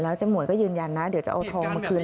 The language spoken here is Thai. เจ๊หมวยก็ยืนยันนะเดี๋ยวจะเอาทองมาคืน